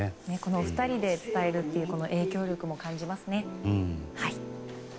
このお二人で伝えるという影響力も感じますね。